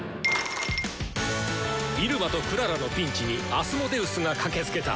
入間とクララのピンチにアスモデウスが駆けつけた！